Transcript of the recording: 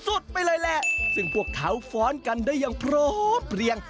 สุดไปเลยแหละซึ่งพวกเขาฟ้อนกันได้อย่างพร้อมเพลียง